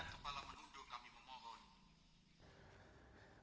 kepala menuduh kami memohon